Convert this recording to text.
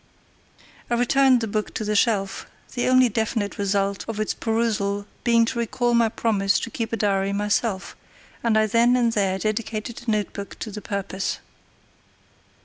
I returned the book to the shelf, the only definite result of its perusal being to recall my promise to keep a diary myself, and I then and there dedicated a notebook to the purpose.